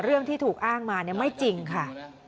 เรื่องที่ถูกอ้างมาไม่จริงค่ะ